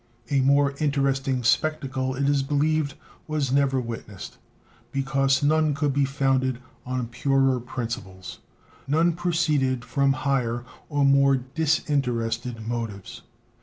A more interesting spectacle, it is believed, was never witnessed, because none could be founded on purer principles, none proceed from higher or more disinterested motives.